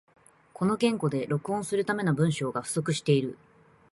この言語で録音するための文章が不足している